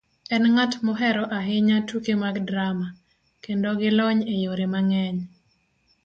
enng'at mohero ahinya tuke mag drama, kendo gi lony e yore mang'eny.